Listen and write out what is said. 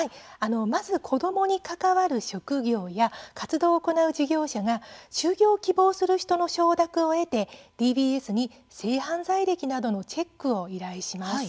まず、子どもに関わる職業や活動を行う事業者が就業を希望する人の承諾を得てＤＢＳに性犯罪歴などのチェックを依頼します。